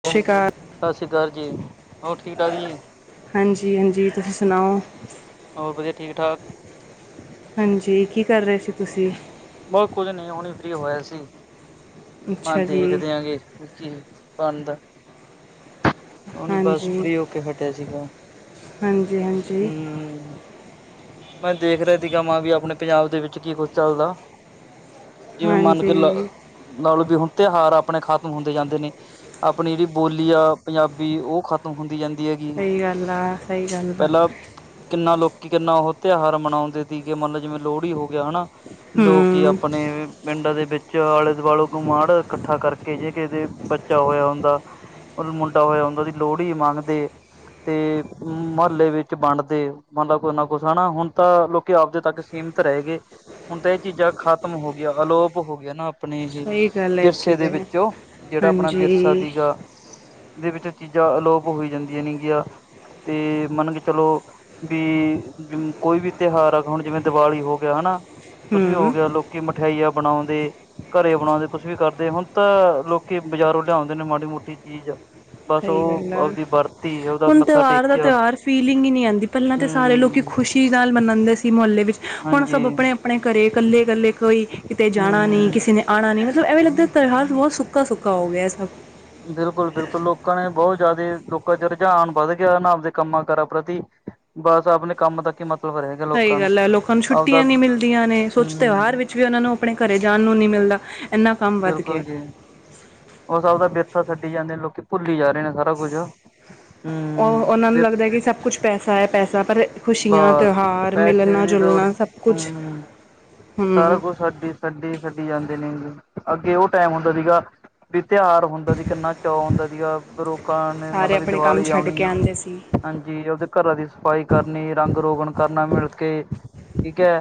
ਸਤਿ ਉਹ, ਸ਼੍ਰੀ ਅਕਾਲ ਸਾਸਰੀ ਕਾਲ ਜੀ। ਹੋਰ ਠੀਕ-ਠਾਕ ਜੀ? ਹਾਂਜੀ-ਹਾਂਜੀ। ਤੁਸੀਂ ਸੁਣਾਓ? ਹੋਰ ਵਧੀਆ, ਠੀਕ-ਠਾਕ। ਹਾਂਜੀ, ਕੀ ਕਰ ਰਹੇ ਸੀ ਤੁਸੀਂ? ਬਸ ਕੁੱਝ ਨਹੀਂ। ਹੁਣੇ ਈ ਫ੍ਰੀ ਹੋਇਆ ਸੀ ਮੈਂਹਾ ਅੱਛਾ ਜੀ ਦੇਖਦੇ ਆ ਗੇ ਕੀ ਬਣਦਾ। ਉਹ ਨੀ ਬਸ ਹਾਂਜੀ ਫ੍ਰੀ ਹੋ ਕੇ ਫਿਰ ਗ‌ਏ ਸੀ ਹਾਂਜੀ-ਹਾਂਜੀ। ਮੈਂ ਦੇਖਦਾਂ ਤੀਗਾਂ, ਮੈਹਾ ਆਪਣੇ ਪੰਜਾਬ ਦੇ ਵਿੱਚ ਕੀ ਕੁਛ ਚੱਲਦਾ। ਜਿਵੇਂ ਮੰਨ ਕੇ ਹਾਂਜੀ ਹਾਂਜੀ ਨਾਲੇ ਦਿਨ-ਤਿਉਹਾਰ ਆਪਣੇ ਖ਼ਤਮ ਹੁੰਦੇ ਜਾਂਦੇ ਨੇ। ਆਪਣੀ ਜੇੜੀ ਬੋਲੀ ਆ ਪੰਜਾਬੀ। ਉਹ ਖਤ ਤਮ ਹੁੰਦੀ ਜਾਂਦੀ ਐਗੀ। ਸਹੀ ਗੱਲ ਆ ਸਹੀ ਗੱਲ ਆ ਪਹਿਲਾਂ ਕਿੰਨਾ ਲੋਕੀ, ਕਿੰਨਾ ਉਹ ਤਿਉਹਾਰ ਮਨਾਉਂਦੇ ਤੀਗੇ। ਮੰਨ ਲੋ ਜਿਵੇਂ ਲੋਹੜੀ ਹੋ ਗਿਆ, ਹਨਾ। ਲੋਕੀ ਹੂੰ ਆਪਣੇ ਪਿੰਡਾਂ ਦੇ ਵਿੱਚੋਂ, ਆਲੇ-ਦੁਵਾਲੋ ਕੁਮਾਂੜ੍ਹ ਇਕੱਠਾ ਕਰਕੇ, ਜੇ ਕਿਹੇ ਦੇ ਬੱਚਾ ਹੋਇਆ ਹੁੰਦਾ ਉਹਨੂੰ ਮੁੰਡਾ ਹੋਇਆ ਹੁੰਦਾ। ਉਹਦੀ ਲੋਹੜੀ ਮੰਨਦੇ ਤੇ ਮੁਹੱਲੇ ਵਿੱਚ ਵੰਡਦੇ ਮਤਬ ਕੁਛ ਨਾ ਕੁਛ ਹਨਾ। ਹੁਣ ਤਾਂ ਲੋ ਕਿ ਆਪਦੇ ਤੱਕ ਸੀਮਿਤ ਰਹਿਗੇ। ਹੁਣ ਤਾਂ ਇਹ ਚੀਜ਼ਾਂ ਖ਼ਤਮ ਹੋਗੀਆਂ। ਅਲੋਪ ਹੋਗਿਆ ਨਾ ਆਪਣੇ ਇਹ ਸਹੀ ਗੱਲ ਹੈਗੀ ਵਿਰਸੇ ਦੇ ਹੈ ਵਿੱਚੋਂ, ਜਿਹੜਾ ਆਪਣਾ ਵਿਰਸਾ ਹਾਂਜੀ ਤੀਗਾ ਇਹਦੇ ਵਿੱਚੋਂ ਚੀਜ਼ਾਂ ਅਲੋਪ ਹੋਈ ਜਾਂਦੀਆਂ ਨੇਗੀਆਂ ਤੇ ਮੰਨ ਕੇ ਚਲੋ ਬੀ, ਜ ਕੋਈ ਵੀ ਤਿਉਹਾਰ ਆ। ਹੁਣ ਜਿਵੇਂ ਦਿਵਾਲੀ ਹੋ ਗਿਆ ਹਨਾ। ਕੁੱਛ ਵੀ ਹੋ ਹੂੰ ਗਿਆ। ਲੋਕੀ ਮਠਿਆਈਆਂ ਬਣਾਉਂਦੇ, ਘਰੇ ਬਣਾਉਂਦੇ ਕੁਛ ਵੀ ਕਰਦੇ। ਹੁਣ ਤਾਂ ਲੋਕੀ ਬਾਜ਼ਾਰੋਂ ਲਿਆਉਂਦੇ ਨੇ, ਮਾੜੀ-ਮੋਟੀ ਚੀਜ਼ ਬਸ ਸਹੀ ਗੱਲ ਉਹ ਆ। ਆਪਦੀ ਵਰਤੀ ਉਹਦਾ ਹੁਣ ਮੱਥਾ ਤਿਉਹਾਰ ਦਾ ਟੇਕਿਆ ਤਿਉਹਾਰ ਫੀਲਿੰਗ ਈ ਨੀ ਆਂਦੀ ਪਹਿਲਾਂ ਤੇ ਸਾਰੇ ਲੋਕ ਹਮ ਖੁਸ਼ੀ ਨਾਲ ਮਨਾਂਦੇ ਸੀ, ਮੁਹੱਲੇ ਵਿੱਚ। ਹੁਣ ਹਾਂਜੀ ਸਭ ਆਪਣੇ-ਆਪਣੇ ਘਰੇ, ਇਕੱਲੇ-ਇਕੱਲੇ ਕੋਈ ਕਿਤੇ ਜਾਣਾ ਨੀ। ਹਮ ਕਿਸੀ ਨੇ ਆਂਣਾ ਨੀ। ਮਤਲਬ ਐਵੇਂ ਲੱਗਦਾ ਤਿਉਹਾਰ ਬਹੁਤ ਸੁੱਕਾ-ਸੁੱਕਾ ਹੋ ਗਿਆ ਸਭ ਬਿਲਕੁਲ-ਬਿਲਕੁਲ ਲੋਕਾਂ ਨੇ ਬਹੁਤ ਜ਼ਿਆਦੇ। ਲੋਕਾਂ 'ਚ ਰੁਝਾਨ ਵੱਧ ਗਿਆ ਨਾ। ਆਪਦੇ ਕੰਮਾਂ-ਕਾਰਾਂ ਪ੍ਰਤੀ ਬਸ ਆਪਣੇ ਕੰਮ ਤੱਕ ਈ ਮਤ ਸਹੀ ਗੱਲ ਐ। ਲੋਕਾਂ ਨੂੰ ਛੁੱਟੀਆਂ ਨੀ ਮਿਲਦੀਆਂ ਨੇ। ਸੋਚ ਤਿਉਹਾਰ ਹੂੰ, ਵਿੱਚ ਵੀ ਉਹਨਾਂ ਨੂੰ ਆਪਣੇ ਘਰੇ ਜਾਣ ਨੂੰ ਨੀ ਮਿਲਦਾ। ਇੰਨਾ ਕੰਮ ਵੱਧ ਬਿਲਕੁਲ ਗਿਆ ਜੀ। ਉਹ ਸਭ ਦਾ ਵਿਰਸਾ ਛੱਡੀ ਜਾਂਦੇ ਨੇ। ਲੋਕੀ ਭੁੱਲੀ ਜਾ ਰਹੇ ਨੇ ਸਾਰਾ ਕੁੱਝ। ਉਹ-ਉਹਨਾਂ ਨੂੰ ਲੱਗਦਾ ਵਿਰਸ ਕਿ ਸਭ ਕੁਛ ਪੈਸਾ ਏ ਪੈਸਾ। ਪਰ ਖੁਸ਼ੀਆਂ, ਬਸ ਤਿਉਹਾਰ ਤੇ ਪੈਸੇ ਦੀ ਦੌੜ ਮਿਲਣਾ-ਜੁਲਣਾ ਸਭ ਹੂੰ ਕੁਛ ਸਾਰਾ ਹਮ ਕੁਛ ਸਾਡੀ ਸੱਡੀ-ਸੱਡੀ ਜਾਂਦੇ ਨੇ। ਅੱਗੇ ਓ ਟੈਮ ਹੁੰਦਾ ਸੀਗਾ ਵੀ ਤੇਆਰ ਹੁੰਦਾ ਸੀ ਕਿੰਨਾ ਚੋ ਹੁੰਦਾ ਸੀਗਾ ਪਰ ਓ ਦੁਕਾਨ ਨੇ ਸਾਰੇ ਮਤਲਬ ਵੀ ਆਪਣੇ ਕੰਮ ਦਿਵਾਲੀ ਛੱਡ ਕੇ ਆਓਣੀ ਆਉਂਦੇ ਸੀ ਹਾਂਜੀ ਓਦੇ ਕਰਾਂ ਦੀ ਸਫ਼ਾਈ ਕਰਨੀ ਰੰਗ-ਰੋਗਣ ਕਰਨਾ ਮਿਲਕੇ ਠੀਕ ਐ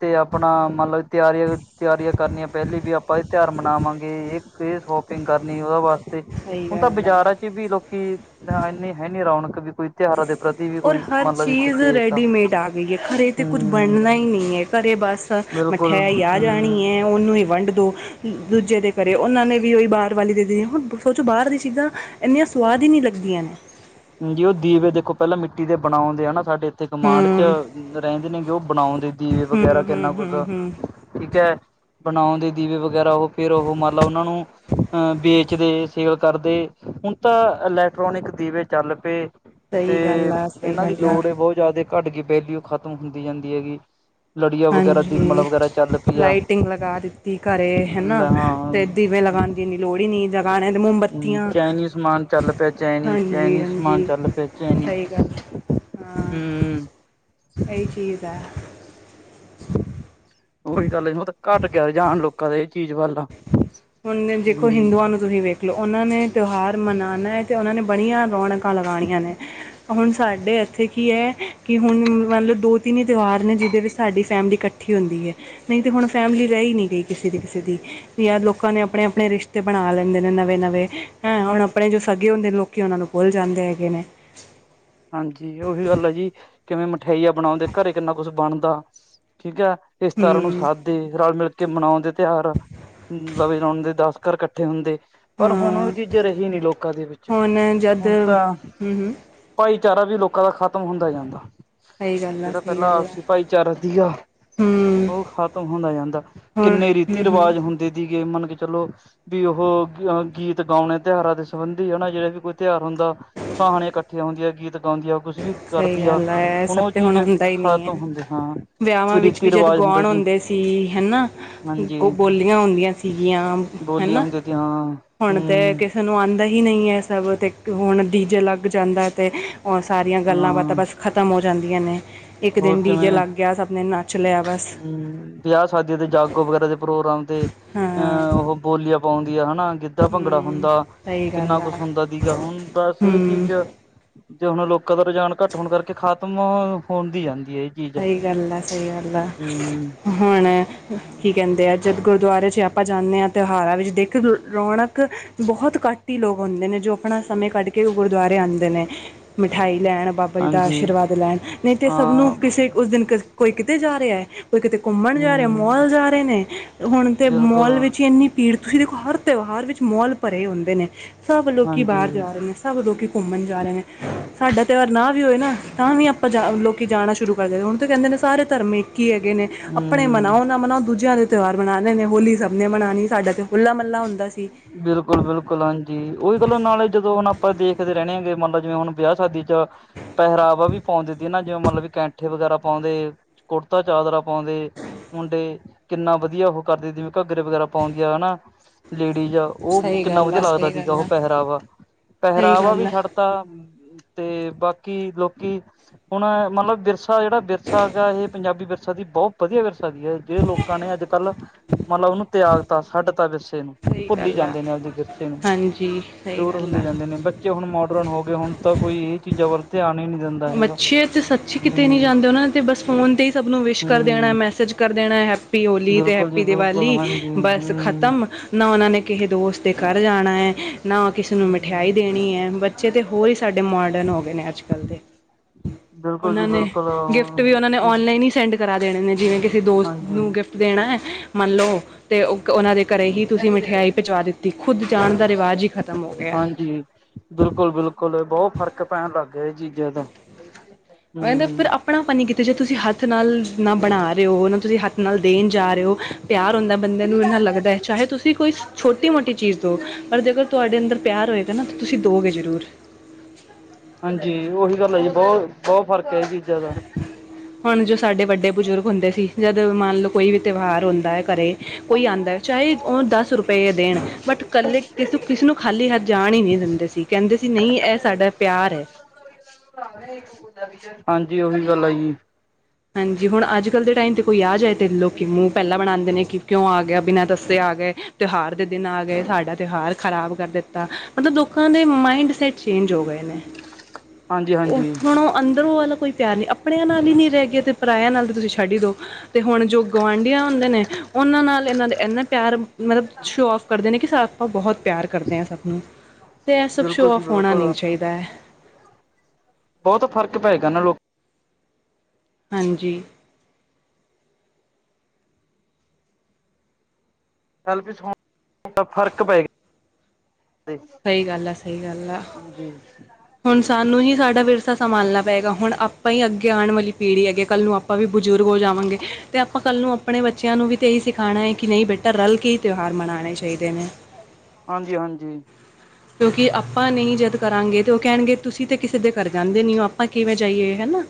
ਤੇ ਆਪਣਾ ਮਨ ਲੋ ਤਿਆਰੀਆਂ-ਤਿਆਰੀਆਂ ਕਰਨੀਆਂ ਪੈਲੀ ਵੀ ਆਪ ਪਾਂ ਬਈ ਤੇਆਰ ਮਨਾਵਾਂਗੇ ਏਕ ਏ ਸ਼ੋਪਿੰਗ ਕਰਨੀ ਓਦੇ ਵਾਸਤੇ ਸਹੀ ਹੁਣ ਤਾਂ ਗੱਲ ਆ ਬਾਜ਼ਾਰਾਂ ਚ ਵੀ ਲੋਕੀ ਦਾ ਇੰਨੀ ਹੈ ਨੀ ਰੌਣਕ ਵੀ ਕੋਈ ਤਿਉਹਾਰਾਂ ਦੇ ਪ੍ਰਤੀ ਵੀ ਔਰ ਕੋਈ ਹਰ ਮਤਲਬ ਵੀ ਚੀਜ਼ ਸੁਚੇਤ ਰੈਡੀਮੇਡ ਆ ਗਈ ਏ ਘਰੇ ਤੇ ਕੁਝ ਹਮ ਬਣਨਾ ਈ ਨਈ ਏ ਘਰੇ ਬਸ ਤਾਂ ਬਿਲਕੁਲ ਮਿਠੈਈ ਆ ਜਾਣੀ ਹਮ ਐ ਓਨੂੰ ਈ ਵੰਡ ਦੋ ਤਾ ਦੂਜੇ ਦੇ ਕਰੇ ਓਨਾਂ ਨੇ ਵੀ ਓਈ ਬਾਹਰ ਵਾਲੀ ਦੇ ਦੇਣੀ ਏ ਹੁਣ ਸੋਚੋ ਬਾਹਰ ਦੀ ਚੀਜ਼ਾਂ ਐਨੀਆਂ ਸਵਾਦ ਈ ਨੀ ਲੱਗਦੀਆਂ ਨੇ। ਜੋ ਦੀਵੇ ਦੇਖੋ ਪੈਲਾਂ ਮਿੱਟੀ ਦੇ ਬਣਾਉਂਦੇ ਆ ਨਾ ਸਾਡੇ ਇੱਥੇ ਕਮਾਂਡ ਚ ਹਮ ਰੈਂਦੇ ਨੇ ਜੋ ਬਣਾਉਣ ਦੇ ਦੀਵੇ ਹੂੰ ਵਗੈਰਾ ਹੂੰ ਕਿੰਨਾ ਕੁਛ ਹੂੰ ਹੂੰ ਠੀਕ ਐ ਬਣਾਉਣ ਦੇ ਦੀਵੇ ਵਗੈਰਾ ਓ ਫਿਰ ਓਹ ਮੰਨ ਲੋ ਓਨਾਂ ਨੂੰ ਅ ਵੇਚਦੇ ਸੇਵਾ ਕਰਦੇ ਹੁਣ ਤਾਂ ਇਲੈਕਟ੍ਰੋਨਿਕ ਦੀਵੇ ਚੱਲ ਪੇ ਸਹੀ ਤੇ ਗੱਲ ਆ ਸਹੀ ਏਨਾਂ ਦੀ ਗੱਲ ਆ ਲੋੜ ਬੋਹਤ ਜ਼ਿਆਦਾ ਕਟ ਗੀ ਵੈਲਿਯੂ ਖਤਮ ਹੁੰਦੀ ਜਾਂਦੀ ਹੈਗੀ। ਲੜੀਆਂ ਵਗੈਰਾ ਦੀਪਮਾਲਾ ਹਾਂਜੀ ਵਗੈਰਾ ਚੱਲ ਪੀ ਆ ਲਾਈਟਿੰਗ ਲਗਾ ਦਿੱਤੀ ਘਰੇ ਹਨਾ ਲਾਂ ਹਾਂ ਆਂ। ਤੇ ਦੀਵੇ ਲਗਾਉਣ ਦੀ ਇੰਨੀ ਲੋੜ ਹੀ ਨਹੀਂ ਜਗਾਣੇ ਤੇ ਹੂੰ ਮੋਮਬੱਤੀਆਂ ਚੈਨੀ ਸਮਾਨ ਚੱਲ ਪਿਆ ਚੈਨੀ ਹਾਂਜੀ ਚੈਨੀ ਸਮਾਨ ਹਾਂਜੀ ਚੱਲ ਪਯਾ ਚੈਨੀ ਸਹੀ ਗੱਲ ਹੂੰ। ਐਈ ਚੀਜ਼ ਐ। ਓਈ ਗੱਲ ਏ ਮਤਲਬ ਕੱਟ ਗਯਾ ਰਜਾਣ ਲੋਕਾਂ ਦਾ ਇਹ ਚੀਜ਼ ਵੱਲ ਆ ਹੁਣ ਏ ਦੇਖੋ ਹਿੰਦੂਆਂ ਨੂੰ ਤੁਸੀਂ ਵੇਖ ਲੋ ਓਨਾਂ ਨੇ ਤਓਹਾਰ ਮਨਾਣਾ ਤੇ ਓਨਾਂ ਨੇ ਬੜੀਆਂ ਰੌਣਕਾਂ ਲਗਾਣੀਆਂ ਨੇ। ਹੁਣ ਸਾਡੇ ਐਥੇ ਕੀ ਐ ਕਿ ਹੁਣ ਮਨਲੋ ਦੋ-ਤਿੰਨ ਈ ਤਓਹਾਰ ਨੇ ਜਿਦੇ ਵਿੱਚ ਸਾਡੀ ਫੈਮਿਲੀ ਕੱਠ ਠੀ ਹੁੰਦੀ ਐ ਨਈ ਤੇ ਹੁਣ ਫੈਮਿਲੀ ਰੈ ਈ ਨੀ ਗਈ ਕਿਸੇ ਦੀ ਕਿਸੇ ਦੀ ਯਾਰ ਲੋਕ ਲੋਕਾਂ ਨੇ ਆਪਣੇ-ਆਪਣੇ ਰਿਸ਼ਤੇ ਬਣਾ ਲੈਂਦੇ ਨੇ ਨਵੇਂ-ਨਵੇਂ ਹੈਂ ਹੁਣ ਆਪਣੇ ਜੋ ਸਗੇ ਹੁੰਦੇ ਨੇ ਓ ਕਿ ਓਨਾਂ ਨੂੰ ਭੁੱਲ ਜਾਂਦੇ ਹੈਗੇ ਨੇ ਹਾਂਜੀ ਓਈ ਗੱਲ ਐ ਜੀ ਕਿਵੇਂ ਮਠਾਈਆਂ ਬਣਾਉਂਦੇ ਘਰੇ ਕਿੰਨਾ ਕੁਛ ਬਣਦਾ, ਠੀਕ ਐ। ਇਸ ਤਾਰ੍ਹਾਂ ਨੂੰ ਹੂੰ ਸਾਥ ਦੇ ਰਲ-ਮਿਲ ਕੇ ਕੇ ਮਨਾਉਦੇ ਤੇਹਾਰ ਨਵੇ ਰਾਉਣ ਦੇ ਦਸ ਕਰ ਕੱਠੇ ਹੁੰਦੇ। ਪਰ ਹੁਣ ਓ ਹਾਂ ਚੀਜ਼ ਰਹੀ ਨੀ ਲੋਕਾਂ ਦੇ ਵਿੱਚ ਹੁਣ ਤਾਂ ਹੂੰ-ਹੂੰ। ਭਾਈਚਾਰਾ ਵੀ ਲੋਕਾਂ ਦਾ ਖ਼ਤਮ ਹੁੰਦਾ ਜਾਂਦਾ। ਸਹੀ ਗੱਲ ਆ ਜੇੜਾ ਸਹੀ ਪੈਲਾਂ ਗੱਲ ਆ ਆਪਸੀ ਭਾਈਚਾਰਾ ਸੀਗਾ। ਹੂੰ ਓ ਖਤਮ ਹੁੰਦਾ ਜਾਂਦਾ ਹੁਣ ਕਿੰਨੇ ਹੂੰ ਹੂੰ ਰੀਤੀ-ਰਿਵਾਜ ਹੁੰਦੇ ਸੀਗੇ ਮੰਨ ਕੇ ਚਲੋ ਵੀ ਓਹ ਅ ਗੀਤ ਗਾਓਣੇ ਤੇਹਾਰਾ ਦੇ ਸੰਬੰਧੀ ਹਨਾ ਜੇੜੇ ਵੀ ਕੋਈ ਤੇਹਾਰ ਹੁੰਦਾ ਸਹਾਣੀਆਂ ਕੱਠੀਆਂ ਹੁੰਦੀਆਂ ਗੀਤ ਗਾਉਂਦੀਆਂ ਕੁਛ ਅੱਜ ਵੀ ਸਹੀ ਕਰਦੀ ਆ ਗੱਲ ਹੈ ਇਹ ਹੁਣ ਸਭ ਓ ਚੀਜ਼ ਖਤਮ ਹੁੰਦੀ ਹਾਂ। ਵਿਆਵਾ ਕੋਈ ਵਿੱਚ ਵੀ ਰੀਤੀ ਜਦ ਰਿਵਾਜ ਹੁੰਦਾ ਗੋਣ ਜੀ ਹੁੰਦੇ ਸੀ ਹੈਨਾ ਹਾਂਜੀ ‌ਅੱਗੋ ਬੋਲੀਆਂ ਹੁੰਦੀਆਂ ਸੀ। ਸੀਗੀਆਂ ਬੋਲੀਆਂ ਹੈਨਾ ਹੁੰਦੀਆਂ ਤੀ ਹਾਂ ਹੁਣ ਤੇ ਹਮ ਕਿਸ ਨੂੰ ਆਂਦਾ ਹੀ ਨਈ ਹੈ ਸਭ ਅਤੇ ਹੁਣ ਡੀਜੇ ਲੱਗ ਜਾਂਦਾ ਤੇ ਓ ਦੀਆਂ ਗੱਲਾਂ ਬਾਤਾਂ ਹਾਂ ਬਸ ਖਤਮ ਹੋ ਜਾਂਦੀਆਂ ਨੇ ਇੱਕ ਹੋਰ ਦਿਨ ਡੀ ਜੇ ਲੱਗ ਗਿਆ ਸਭ ਨੇ ਨਾ ਉਛਲਯਾ ਬਸ। ਹੂੰ ਵਿਆਹ ਸ਼ਾਦੀਆਂ ਦੇ ਜਾਗੋ ਵਗੈਰਾ ਦੇ ਪ੍ਰੋਗਰਾਮ ਤੇ ਹਾਂ ਅਮ ਓਹ ਬੋਲੀਆਂ ਪਾਉਂਦੀਆਂ ਹਨਾ‌। ਗਿੱਧਾ ਭੰਗੜਾ ਹਮ ਹੁੰਦਾ ਸਹੀ ਕਿੰਨਾ ਗੱਲ ਆ ਕੁਛ ਹੁੰਦਾ ਸੀਗਾ ਹੁਣ ਬਸ ਇਹ ਹਮ ਚੀਜ਼ ਜੇ ਹੁਣ ਲੋਕਾਂ ਦਾ ਰੁਝਾਨ ਘੱਟ ਹੋਣ ਕਰਕੇ ਖ਼ਤਮ ਹੋਣ ਦੀ ਜਾਂਦੀ ਹੈ। ਚੀਜ਼। ਸਹੀ ਗੱਲ ਆ ਸਹੀ ਗੱਲ ਆ ਹੂੰ। ਹੁਣ ਕੀ ਕਹਿੰਦੇ ਆ ਜਦ ਗੁਰਦੁਆਰੇ 'ਚ ਆਪਾਂ ਜਾਂਨੇ ਹਾਂ ਤਿਹਾਰਾਂ ਵਿੱਚ ਦੇਖੋਂ ਰ ਰੌਣਕ ਬਹੁਤ ਘੱਟ ਘੱਟ ਹੀ ਲੋਕ ਹੁੰਦੇ ਨੇ ਜੋ ਆਪਣਾ ਸਮੇਂ ਕੱਢ ਕੇ ਗੁਰਦੁਆਰੇ ਆਂਦੇ ਨੇ ਮਿਠਾਈ ਲੈਣ। ਬੰਦਾ ਹਾਂਜੀ ਆਸ਼ੀਰਵਾਦ ਲੈਣ ਨਹੀਂ ਤੇ ਸਭ ਨੂੰ ਹਾਂ ਕਿਸੇ ਉਸ ਦਿਨ ਕੋਈ ਕਿਤੇ ਜਾ ਰਿਹਾ ਹੈ ਕੋਈ ਕਿਤੇ ਘੁੰਮਣ ਜਾ ਰਿਹਾ ਹੂੰ ਮੌਲ ਜਾ ਰਹੇ ਨੇ ਹੁਣ ਤੇ ਬਿਲਕੁਲ ਮੌਲ ਵਿੱਚ ਇੰਨੀ ਪੀੜਤ ਤੁਸੀਂ ਦੇਖੋ ਹਰ ਤਿਉਹਾਰ ਵਿੱਚ ਮੌਲ ਭਰੇ ਹੁੰਦੇ ਨੇ ਸਭ ਲੋਕੀ ਹਾਂਜੀ ਬਾਹਰ ਜਾ ਰਹੇ ਨੇ। ਸਭ ਲੋਕ ਘੁੰਮਣ ਜਾ ਰਹੇ ਨੇ। ਸਾਡਾ ਤਿਉਹਾਰ ਨਾ ਵੀ ਹੋਏ ਨਾ ਤਾਂ ਵੀ ਆਪਾਂ ਜਾ ਲੋਕੀ ਜਾਣਾ ਸ਼ੁਰੂ ਹੁਣ ਤਾਂ ਕਹਿੰਦੇ ਨੇ ਸਾਰੇ ਧਰਮ ਇੱਕ ਹੀ ਹੈਗੇ ਨੇ ਆਪਣੇ ਹੂੰ। ਮਨਾਓ ਨਾ ਮਨਾਓ ਦੂਜਿਆਂ ਦੇ ਤਿਉਹਾਰ ਮਨਾਨੇ ਨੇ ਹੋਲੀ ਸਭ ਨੇ ਮਨਾਣੀ ਸਾਡਾ ਤੇ ਹੋਲਾ ਮਹਲਾ ਹੁੰਦਾ ਸੀ। ਬਿਲਕੁਲ, ਬਿਲਕੁਲ ਹਾਂਜੀ। ਉਹੀ ਗੱਲਾਂ ਨਾਲੇ ਜਦੋਂ ਹੁਣ ਆਪਾਂ ਦੇਖਦੇ ਰੇਨੇ ਆਾਂਗੇ। ਮੰਨ ਲਓ ਜਿਵੇਂ ਹੁਣ ਵਿਆ ਸ਼ਾਦੀ ਚ ਪਹਿਰਾਵਾ ਵੀ ਪੌਂਦੇ ਦਦੀ ਨਾ। ਜਿਵੇਂ ਮਨਲ ਵੀ ਕੈਂਠੇ ਵਗੈਰਾ ਪੌਂਦੇ ਕੁੜਤਾ ਚਾਦਰਾ ਪੌਂਦੇ ਮੁੰਡੇ ਕਿੰਨਾ ਵਧੀਆ ਉਹ ਕਰਦੇ ਸੀ ਘੱਗਰੇ ਵਗੈਰਾ ਪਾਉਂਦੀ ਆ ਹਨਾ। ਲੇਡੀਜ਼ ਉਹ ਸਹੀ ਕਿੰਨਾ ਗੱਲ ਵਧੀਆ ਆ ਲੱਗਦਾ ਸਹੀ ਤੀਗਾ। ਗੱਲ ਉਹ ਆ ਪਹਿਰਾਵਾ ਸਹੀ ਪਹਿਰਾਵਾ ਗੱਲ ਵੀ ਆ ਛੱਡਤਾ ਤੇ ਬਾਕੀ ਲੋਕੀ ਹੁਣ ਮਲਬ ਵਿਰਸਾ ਜਿਹੜਾ ਵਿਰਸਾ ਗਾ ਇਹ ਪੰਜਾਬੀ ਵਿਰਸਾ ਦੀ ਬਹੁ ਵਧੀਆ ਵਿਰਸਾ ਸੀ ਜੇ ਲੋਕਾਂ ਨੇ ਅੱਜ ਕੱਲ ਮੰਨ ਲਓ ਉਨੂੰ ਤਿਆਗਤਾ ਛੱਡ ਤਾ ਸਹੀ ਭੁੱਲੀ ਗੱਲ ਆ, ਜਾਂਦੇ ਨੇ ਆਪਦੇ ਵਿਰਸੇ ਨੂੰ ਹਾਂਜੀ ਸਹੀ ਦੂਰ ਗੱਲ ਹੁੰਦੀ ਆ ਜਾਂਦੀ। ਨੇ ਬੱਚੇ ਹੁਣ ਮੋਡਰਨ ਹੋ ਗਏ। ਹੁਣ ਤਾਂ ਕੋਈ ਇਹ ਚੀਜ਼ਾਂ ਵੱਲ ਧਿਆਨ ਈ ਨੀ। ਮੱਛੀ ਅਤੇ ਸੱਚੀ ਕਿਤੇ ਨੀ ਜਾਂਦੇ। ਉਹਨਾਂ ਨੇ ਤੇ ਬਸ ਫੋਨ ਤੇ ਹੀ ਸਭ ਨੂੰ ਵਿਸ਼ ਕਰ ਦੇਣਾ। ਹੂੰ ਮੈਸੇਜ ਕਰ ਦੇਣਾ ਏ। ਹੈਪੀ ਹੋਲੀ ਤੇ ਬਿਲਕੁਲ ਜੀ ਹੈਪੀ ਬਿਲਕੁਲ ਦੀਵਾਲੀ ਹਾਂਜੀ ਬਸ ਹੂੰ। ਖਤਮ। ਨਾ ਉਨਾਂ ਨੇ ਕਿਸੇ ਦੋਸਤ ਦੇ ਘਰ ਜਾਣਾ ਏ ਨਾ ਕਿਸੇ ਨੂੰ ਮਿਠਿਆਈ ਹੂੰ ਦੇਣੀ ਏ। ਬੱਚੇ ਤੇ ਹੋਰ ਹੀ ਸਾਡੇ ਮੋਡਰਨ ਹੋ ਗਏ ਨੇ ਅੱਜ ਕੱਲ ਦੇ। ਬਿਲਕੁਲ ਜੀ ਉਨਾਂ ਨੇ ਬਿਲਕੁਲ ਗਿਫਟ ਵੀ ਉਨਾਂ ਨੇ ਹਾਂਜੀ। ਓਨਲਾਈਨ ਈ ਸੈਂਡ ਕਰਾਂ ਦੇਣੇ ਨੇ। ਜਿਵੇਂ ਕਿਸੇ ਦੋਸਤ ਨੂੰ ਗਿਫਟ ਦੇਣਾ ਹੈ। ਮੰਨ ਲਓ ਤੇ ਓ ਕ ਉਹਨਾਂ ਦੇ ਘਰੇ ਹੀ ਤੁਸੀਂ ਮਿਠਿਆਈ ਪਿਜਵਾ ਦਿੱਤੀ। ਖੁੱਦ ਜਾਣ ਦਾ ਰਿਵਾਜ ਹੀ ਖਤਮ। ਤਮ ਹੋ ਗਿਆ ਹਾਂਜੀ। ਬਿਲਕੁਲ, ਬਿਲਕੁਲ ਬਹੁਤ ਫ਼ਰਕ ਪੈਣ ਲੱਗ ਗਿਆ। ਇਹ ਚੀਜ਼ਾਂ ਦਾ ਹਮ ਆਪਣਾ ਪਣ ਨੀ ਕਿ ਕਿਤੇ ਜੇ ਤੁਸੀਂ ਹੱਥ ਨਾਲ ਨਾ ਬਣਾ ਰੇ ਓ ਤੁਸੀਂ ਹੱਥ ਨਾਲ ਦੇਣ ਜਾ ਰਹੇ ਓ ਪਿਆਰ ਹੁੰਦਾ। ਬੰਦੇ ਨੂੰ ਇੰਨਾ ਲੱਗਦਾ ਹੈ ਚਾਹੇ ਤੁਸੀਂ ਕੋਈ ਛੋਟੀ ਮੋਟੀ ਚੀਜ਼ ਦਉ। ਪਰ ਜੇਕਰ ਤੁਹਾਡੇ ਅੰਦਰ ਪਿਆਰ ਹੋਏਗਾ ਨਾ ਤਾਂ ਤੁਸੀਂ ਦੋਗੇ ਜ਼ਰੂਰ। ਹਾਂਜੀ, ਉਹੀ ਗੱਲ ਹੈ। ਬਹੁਤ, ਬਹੁਤ ਫ਼ਰਕ ਹੈ ਇਹ ਚੀਜ਼ਾਂ ਦਾ। ਹੁਣ ਜੋ ਸਾਡੇ ਵੱਡੇ ਬਜ਼ੁਰਗ ਹੁੰਦੇ ਸੀ। ਜਦ ਮੰਨ ਲੋ ਕੋਈ ਵੀ ਤਿਉਹਾਰ ਹੁੰਦਾ ਏ ਘਰੇ ਕੋਈ ਆਂਦਾ ਏ ਚਾਹੇ ਓ ਦਸ ਰੁਪਈਏ ਦੇਣ ਬਟ ਕੱਲੇ ਕਿਸ ਕਿਸੇ ਨੂੰ ਖਾਲੀ ਹੱਥ ਜਾਣ ਈ ਨੀ ਦਿੰਦੇ ਸੀ। ਕਹਿੰਦੇ ਸੀ ਨਹੀਂ ਇਹ ਸਾਡਾ ਪਿਆਰ ਐ। ਹਾਂਜੀ ਓਹੀ ਗੱਲ ਆਜੀ। ਹਾਂਜੀ। ਹੁਣ ਅੱਜ ਕੱਲ੍ਹ ਦੇ ਟਾਈਮ ਤੇ ਕੋਈ ਆ ਜਾਏ ਤੇ ਲੋਕੀ ਮੂੰਹ ਪਹਿਲਾਂ ਬਣਾਉਂਦੇ ਨੇ ਕਿ ਕਿਉਂ ਆ ਗਿਆ? ਬਿਨਾਂ ਦੱਸੇ ਆ ਗਏ। ਤਿਉਹਾਰ ਦੇ ਦਿਨ ਆ ਗਏ। ਸਾਡਾ ਤਿਉਹਾਰ ਖਰਾਬ ਕਰ ਦਿੱਤਾ। ਮਤਲਬ ਲੋਕਾਂ ਦੇ ਮਾਇੰਡ ਸੈ ਚੇਂਜ ਹੋ ਗਏ ਨੇ। ਹਾਂਜੀ ਉਹ ਹਾਂਜੀ। ਹੁਣ ਉਹ ਅੰਦਰੋਂ ਵਾਲਾ ਕੋਈ ਪਿਆਰ ਨੀ ਆਪਣਿਆਂ ਨਾਲ ਹੀ ਨਹੀਂ ਰਹਿ ਗਿਐ ਤੇ ਪਰਾਇਆਂ ਨਾਲ ਤਾਂ ਤੁਸੀਂ ਛੱਡ ਈ ਦਿਓ। ਤੇ ਹੁਣ ਜੋ ਗੁਆਂਢੀਆਂ ਹੁੰਦੇ ਨੇ। ਉਨਾਂ ਨਾਲ ਇਨਾਂ ਦੇ ਐਨੇ ਪਿਆਰ ਮਤਲਬ ਸ਼ੋਅ ਆਫ ਕਰਦੇ ਨੇ ਕਿ ਆਪਾਂ ਬਹੁਤ ਪਿਆਰ ਕਰਦੇ ਹਾਂ ਸਭ ਨੂੰ। ਤੇ ਇਹ ਸਭ ਬਿਲਕੁਲ ਜੀ ਸ਼ੋਅਓਫ ਹੋਣਾ ਬਿਲਕੁਲ ਨਹੀਂ ਚਾਹੀਦੇ। ਬਹੁਤ ਫ਼ਰਕ ਪਏਗਾ ਨਾ ਲੋਕ ਹਾਂਜੀ। ਚੱਲ ਵੀ [unintelligible] ਫ਼ਰਕ ਪਏ ਸਹੀ ਗੱਲ ਆ, ਸਹੀ ਗੱਲ ਆ। ਹਾਂਜੀ, ਹੁਣ ਸਾਨੂੰ ਹੀ ਸਾਡਾ ਵਿਰਸਾ ਸੰਭਾਲਣਾ ਪਏਗਾ, ਹੁਣ ਆਪਾਂ ਈ ਅੱਗੇ ਆਣ ਵਾਲੀ ਪੀੜ੍ਹੀ ਹੈਗੀ, ਕੱਲ੍ਹ ਨੂੰ ਆ ਪਾਂ ਵੀ ਬਜ਼ੁਰਗ ਹੋ ਜਾਵਾਂਗੇ, ਤੇ ਆਪਾਂ ਕੱਲ ਨੂੰ ਅਪਣੇ ਬੱ ਬੱਚਿਆਂ ਨੂੰ ਵੀ ਤੇ ਇਹੀ ਸਿਖਾਣਾ ਏ ਕਿ, ਨਹੀਂ ਬੇਟਾ ਰਲਕੇ ਹੀ ਤਿਉਹਾਰ ਮਨਾਣੇ ਚਾਹੀਦੇ ਨੇ। ਹਾਂਜੀ-ਹਾਂਜੀ। ਕਿਉਂਕਿ ਆਪਾਂ ਨਹੀਂ ਜਦ ਕਰਾਂਗੇ, ਤਾਂ ਉਹ ਕਹਿਣਗੇ ਤੁਸੀਂ ਤੇ ਕਿਸੇ ਦੇ ਘਰ ਜਾਂਦੇ ਨੀ ਓ, ਆਪਾਂ ਕਿਵੇਂ ਜਾਈਏ ਹੈਨਾ।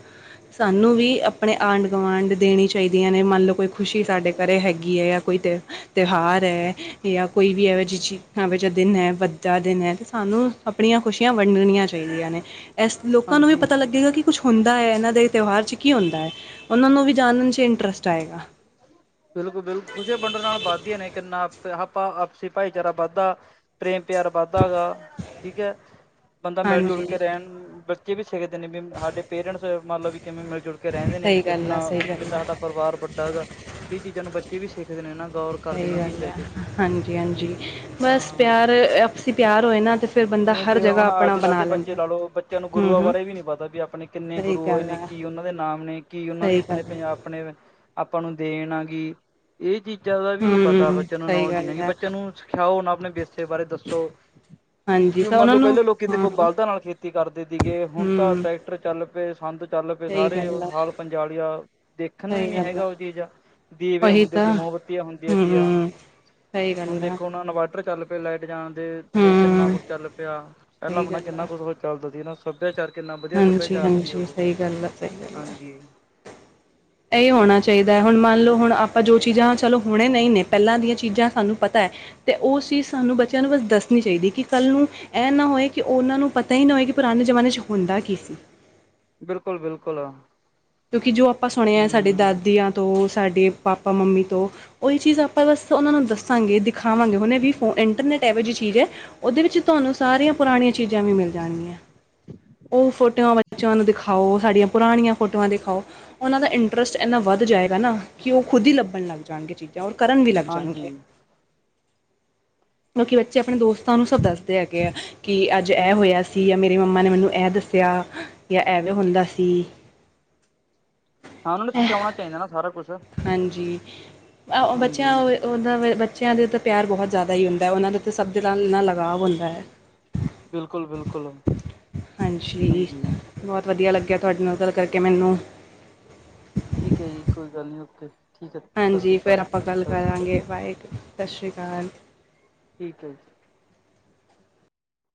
ਸਾਨੂੰ ਵੀ ਅਪਣੇ ਆਂਢ-ਗੁਆਂਢ ਦੇਣੀ ਚਾਹੀਦੀਆਂ ਨੇ, ਮੰਨਲੋ ਕੋਈ ਖੁਸ਼ੀ ਸਾਡੇ ਘਰ ਹੈਗੀ ਏ, ਯਾ ਕੋਈ ਤੇ, ਤਿਉਹਾਰ ਹੈ ਯਾ ਕੋਈ ਵੀ ਇਹਵੇ ਜਿ ਆਵੇ ਜਿਹਾ ਦਿਨ ਹੈ ਅੱਜ ਦਾ ਦਿਨ ਏ, ਤੇ ਸਾਨੂੰ ਆਪਣੀਆਂ ਖੁਸ਼ੀਆਂ ਵੰਡਣੀਆਂ ਚਾਹੀਦੀਆਂ ਨੇ। ਇਸ ਲੋਕਾਂ ਨੂੰ ਵੀ ਹਾਂਜੀ। ਪਤਾ ਲੱਗੇਗਾ ਕਿ ਕੁਛ ਹੁੰਦਾ ਏ, ਇਹਨਾਂ ਦੇ ਤਿਉਹਾਰ 'ਚ ਕੀ ਹੁੰਦਾ ਐ। ਉਹਨਾਂ ਨੂੰ ਵੀ ਜਾਨਣ'ਚ ਇੰਟਰਸਟ ਆਏਗਾ। ਬਿਲਕੁਲ-ਬਿਲਕੁਲ, ਖੁਸ਼ੀਆਂ ਵੰਡਣ ਨਾਲ ਵੱਧਦੀਆਂ ਨੇ ਕਿੰਨਾ ਆਪਾ-ਆਪਸੀ ਭਾਈਚਾਰਾ ਬੱਧਦਾ। ਪ੍ਰੇਮ-ਪਿਆਰ ਬੱਧਦਾ ਗਾ, ਠੀਕ ਐ। ਬੰਦਾ ਹਾਂਜੀ ਮਿਲ-ਜੁਲਕੇ ਰਹਿਣ, ਬੱਚੇ ਵੀ ਸਿੱਖਦੇ ਨੇ ਵੀ ਸਾਡੇ ਪੇਰੈਂਟਸ ਮੰਨਲੋ ਵੀ ਕਿਵੇਂ ਮਿਲ-ਜੁਲ ਰਹਿੰਦੇ ਨੇ, ਸਹੀ ਗੱਲ ਆ ਕਿੰਨਾ, ਸਹੀ ਗੱਲ ਕਿੰਡਾ ਆ ਸਾਡਾ ਪਰਿਵਾਰ ਵੱਡਾ ਗਾ, ਇਹ ਚੀਜ਼ਾਂ ਨੂੰ ਬੱਚੇ ਵੀ ਸਿੱਖਦੇ ਨੇ, ਇਹ ਨਾ ਗੌਰ ਕਰਦੇ ਸਹੀ ਨੇ ਇਹ ਗੱਲ ਚੀਜ਼ਾਂ ਐ, ਤੇ। ਹਮ ਹਾਂਜੀ-ਹਾਂਜੀ ਬਸ ਹਾਂ ਪਿਆਰ, ਆਪਸੀ ਪਿਆਰ ਹੋਏ ਨਾ ਤੇ ਫਿਰ ਬੰਦਾ ਜਿਵੇਂ ਹਰ ਕਿ ਜਗ੍ਹਾ ਹੁਣ ਆਪਣਾ ਅੱਜ-ਕੱਲ੍ਹ ਬਣਾ ਦੇ ਬੱਚੇ ਲੈਂਦਾ ਲਾਲੋ, ਬੱਚਿਆਂ ਨੂੰ ਹੂੰ ਗੁਰੂਆਂ ਹੂੰ ਬਾਰੇ ਵੀ ਨੀ ਪਤਾ ਵੀ ਆਪਣੇ ਕਿੰਨੇ ਸਹੀ ਗੁਰੂ ਹੋਏ ਗੱਲ ਨੇ। ਹੈ ਕੀ ਉਹਨਾਂ ਦੇ ਨਾਮ ਨੇ, ਕੀ ਉਹਨਾਂ ਦੀ ਸਹੀ ਗੱਲ ਆਪਣੇ ਹੈ ਪੰਜਾਬ, ਆਪਣੇ ਆਪਾਂ ਨੂੰ ਦੇਣ ਆ ਗੀ। ਇਹ ਚੀਜ਼ਾਂ ਦਾ ਵੀ ਨੀ ਪਤਾ, ਹੂੰ ਬੱਚੇ ਨੂੰ ਸਹੀ ਨੌਲਜ ਗੱਲ ਨਹੀਂ ਗੀ, ਹੈ ਬੱਚਿਆ ਨੂੰ ਸਿਖਯਾਓ ਨਾ ਆਪਣੇ ਵਿਰਸੇ ਬਾਰੇ ਦੱਸੋ। ਹਾਂਜੀ ਜਿਵੇਂ ਤਾਂ ਉਹਨਾਂ ਮੰਨਲੋ ਨੂੰ ਪਹਿਲਾਂ ਲੋਕੀ ਹਾਂ ਦੇਖੋ ਹਾਂ ਬਲਦਾਂ ਨਾਲ ਖੇਤੀ ਕਰਦੇ ਤੀਗੇ, ਹੁਣ ਤਾਂ ਹੂੰ ਟਰੈਕਟਰ ਚੱਲ ਪਏ, ਸੰਦ ਚੱਲ ਪਏ ਸਹੀ ਸਾਰੇ ਗੱਲ ਉਹ ਆ ਹਾਲ-ਪੰਜਾਲੀਆਂ, ਦੇਖਣ ਨੂੰ ਹੀ ਸਹੀ ਨੀ ਗੱਲ ਆ ਹੈਗਾ ਉਹ ਚੀਜ਼। ਦੀਵੇ ਉਹੀ ਹੁੰਦੇ ਤੀ, ਤਾਂ ਮੋਮਬੱਤੀਆਂ ਹੁੰਦੀਆਂ ਤੀ ਆ, ਹੂੰ ਸਹੀ ਹੁਣ ਗੱਲ ਆ ਦੇਖੋ ਹੁਣ ਇਨਵਰਟਰ ਚੱਲ ਪ ਲਾਈਟ ਜਾਣ ਦੇ ਤੇ ਕਿੰਨਾ ਹੂੰ ਕੁਛ ਚੱਲ ਪਿਆ, ਪਹਿਲਾਂ ਸਹੀ ਅਪਣਾ ਗੱਲ ਆ ਕਿੰਨਾ ਕੁਛ ਚੱਲਦਾ ਸੀ ਹਨਾ। ਸੱਭਿਆਚਾਰ ਕਿੰਨਾ ਵਧੀਆ, ਹਾਂਜੀ ਸੱਭਿਆਚਾਰ ਤੀ ਹਾਂਜੀ ਉਹ, ਸਹੀ ਗੱਲ ਆ ਸਹੀ ਗੱਲ ਆ ਹਾਂਜੀ। ਇਹ ਹੋਣਾ ਚਾਹੀਦਾ ਏ, ਹੁਣ ਮੰਨ ਲਓ ਹੁਣ ਆਪਾਂ ਜੋ ਚੀਜ਼ਾਂ ਚਲੋ ਹੁਣੇ ਨਹੀਂ ਨੇ, ਪਹਿਲਾਂ ਦੀਆਂ ਚੀਜ਼ਾਂ ਸਾਨੂੰ ਪਤਾ ਏ ਤੇ ਉਸ ਚੀਜ਼ ਸਾਨੂੰ ਬੱਚਿਆਂ ਨੂੰ ਬਸ ਦੱਸਣੀ ਚਾਹੀਦੀ, ਕਿ ਕੱਲ ਨੂੰ ਐਨਾ ਹੋਏ ਕਿ ਉਨ੍ਹਾਂ ਪਤਾ ਈ ਨਾ ਹੋਏ, ਕਿ ਪੁਰਾਣੇ ਜ਼ਮਾਨੇ 'ਚ ਹੁੰਦਾ ਕੀ ਸੀ। ਬਿਲਕੁਲ-ਬਿਲਕੁਲ। ਕਿਉਂਕਿ ਜੋ ਆਪਾਂ ਸੁਣਿਆ, ਸਾਡੇ ਹੂੰ ਦਾਦੀਆਂ ਤੋ, ਸਾਡੇ ਪਾਪਾ-ਮੰਮੀ ਤੋ ਉਹੀ ਚੀਜ਼ ਆਪਾਂ ਬਸ ਉਹਨਾਂ ਨੂੰ ਦੱਸਾਂਗੇ, ਦਿਖਾਵਾਂਗੇ ਹੁਣ ਵੀ ਫੋਨ ਇੰਟਰਨੈਂਟ ਇਹੋ ਜਿਹੀ ਚੀਜ਼ ਏ। ਉਹਦੇ ਵਿੱਚ ਤੁਹਾਨੂੰ ਸਾਰੀਆਂ ਪੁਰਾਣੀਆਂ ਚੀਜ਼ਾਂ ਵੀ ਮਿਲ ਜਾਣਗੀਆਂ। ਉਹ ਫੋਟੋਆਂ ਬੱਚਿਆਂ ਨੂੰ ਦਿਖਾਓ, ਸਾਡੀਆਂ ਪੁਰਾਣੀਆਂ ਫੋਟੋਆਂ ਦਿਖਾਓ। ਉਹਨਾਂ ਦਾ ਇੰਟਰਸਟ ਇੰਨਾ ਵੱਧ ਜਾਏਗਾ ਨਾ, ਕਿ ਉਹ ਖੁਦ ਹੀ ਲੱਭਣ ਲੱਗ ਜਾਣਗੇ ਚੀਜ਼। ਜਾਂ ਓਰ ਕਰਨ ਵੀ ਲੱਗ ਹਾਂਜੀ। ਜਾਣਗੇ। ਕਿਉਕਿ, ਬੱਚੇ ਆਪਣੇ ਦੋਸਤਾਂ ਨੂੰ ਸਭ ਦੱਸਦੇ ਹੈਗੇ ਆ। ਕਿ ਅੱਜ ਐ ਹੋਇਆ ਸੀ, ਯਾ ਮੇਰੀ ਮੰਮਾ ਨੇ ਮੈਨੂੰ ਐ ਦੱਸਿਆ, ਯਾ ਐਵੇਂ ਹੁੰਦਾ ਸੀ। ਹਾਂ, ਉਹਨਾਂ ਨੂੰ ਸਿਖਯਾਉਣਾ ਚਾਹੀਦਾ ਨਾ, ਸਾਰਾ ਕੁਛ। ਹਾਂਜੀ, ਹਾਂਜੀ। ਬੱਚਿਆਂ ਉਹਦਾ, ਬੱਚਿਆਂ ਦੇ ਤਾਂ ਪਿਆਰ ਬਹੁਤ ਜ਼ਿਆਦਾ ਹੀ ਹੁੰਦਾ ਐ, ਉਹਨਾਂ ਦੇ ਸ਼ਬਦ ਦੇ ਨਾਲ ਇੰਨਾ ਲਗਾਵ ਹੁੰਦਾ ਹੈ। ਬਿਲਕੁਲ-ਬਿਲਕੁਲ ਹਾਂਜੀ। ਬਹੁਤ ਵਧੀਆ ਲੱਗਿਆ ਤੁਹਾਡੇ ਨਾਲ ਗੱਲ ਕਰਕੇ, ਮੈਨੂੰ। ਠੀਕ ਐ ਜੀ ਕੋਈ ਗੱਲ ਨੀ, ਓਕੇ। ਠੀਕ ਹੈ ਸਤਿ ਹਾਂਜੀ, ਸ਼੍ਰੀ ਫਿਰ ਅਕਾਲ, ਆਪਾਂ ਗੱਲ ਸਤਿ ਸ਼੍ਰੀ ਅਕਾਲ ਕਰਾਂਗੇ, ਬਾਏ ਸਾਸਰੀ ਕਾਲ ਠੀਕ ਐ ਜੀ